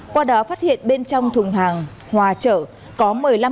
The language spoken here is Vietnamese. qua đó phát hiện bên trong thùng hàng hòa trở có một mươi năm bịch phạm